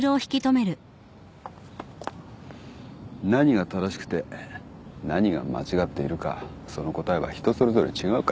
何が正しくて何が間違っているかその答えは人それぞれ違うからね。